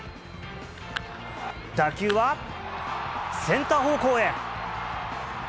打球はセンター方向へ。